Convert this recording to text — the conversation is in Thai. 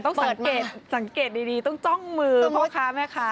สังเกตสังเกตดีต้องจ้องมือพ่อค้าแม่ค้า